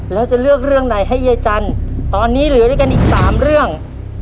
เราจะเลือกเรื่องไหนให้เย้จันตอนนี้เหลือได้กันอีก๓เรื่อง